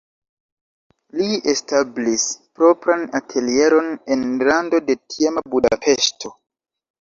Li establis propran atelieron en rando de tiama Budapeŝto.